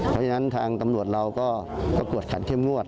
เพราะฉะนั้นทางตำรวจเราก็ประกวดขันเข้มงวด